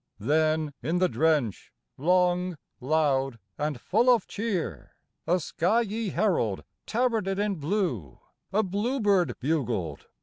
Then in the drench, long, loud and full of cheer, A skyey herald tabarded in blue, A bluebird bugled